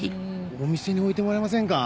お店に置いてもらえませんか？